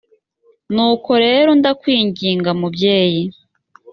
nuko rero ndakwinginga mubyeyi